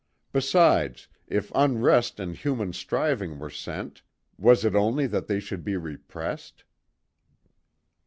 Besides, if unrest and human striving were sent, was it only that they should be repressed?"